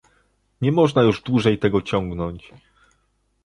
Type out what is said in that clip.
Nie można już dłużej tego ciągnąć